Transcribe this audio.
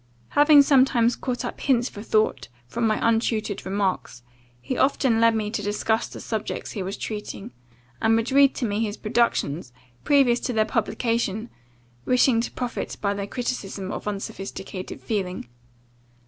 Having sometimes caught up hints for thought, from my untutored remarks, he often led me to discuss the subjects he was treating, and would read to me his productions, previous to their publication, wishing to profit by the criticism of unsophisticated feeling.